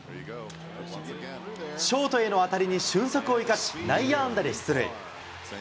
ショートへの当たりに俊足を生かし、内野安打で出塁。